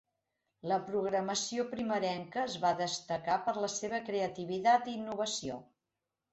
La programació primerenca es va destacar per la seva creativitat i innovació.